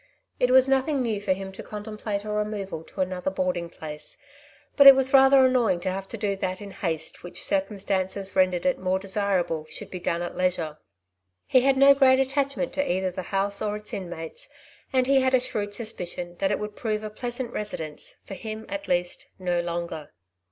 It was nothing new for him to ' contemplate a removal to another boarding place, but it was rather annoying to have tp do that in haste which circumstances rendered it more desir able should be done at leisure. He had no great attachment to either the house or its inmates, and he had a shrewd suspicion that it would prove a pleasant residence, for him at least, no longer.